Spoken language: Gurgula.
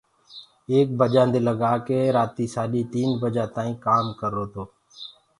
ايڪ بجآنٚ دي لگآ ڪي رآتيٚ سآڏيٚ تيٚن بجآ تآئيٚنٚ ڪآم ڪررو تو